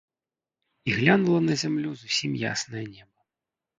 І глянула на зямлю зусім яснае неба.